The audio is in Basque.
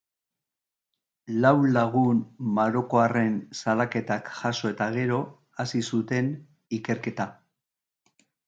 Lau lagun marokoarren salaketak jaso eta gero hasi zuten ikerketa.